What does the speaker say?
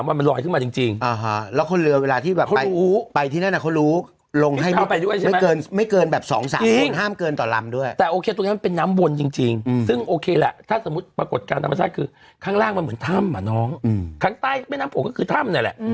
มันเหมือนถ้ำอ่ะน้องข้างใต้แม่น้ำโขงก็คือถ้ำนั่นแหละ